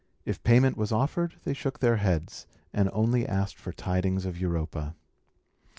If payment was offered, they shook their heads, and only asked for tidings of Europa.